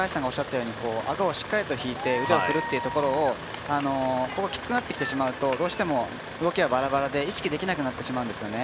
顎をしっかりと引いて腕を振るというところを、きつくなってきてしまうとどうしても動きがバラバラで意識できなくなってしまうんですね。